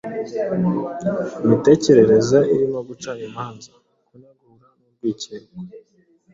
Imitekerereze irimo guca imanza, kunegura n’urwikekwe.